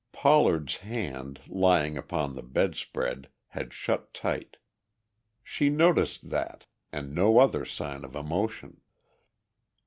Pollard's hand, lying upon the bed spread, had shut tight. She noticed that and no other sign of emotion.